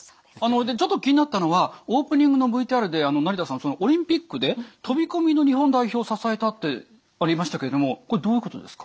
でちょっと気になったのはオープニングのＶＴＲで成田さんオリンピックで飛び込みの日本代表を支えたってありましたけどもこれどういうことですか？